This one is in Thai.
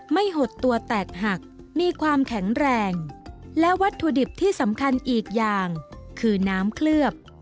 หดตัวแตกหักมีความแข็งแรงและวัตถุดิบที่สำคัญอีกอย่างคือน้ำเคลือบ